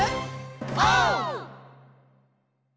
オー！